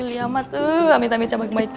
beliamat tuh amit amit cabang kebaik